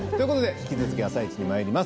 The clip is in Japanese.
引き続き「あさイチ」になります。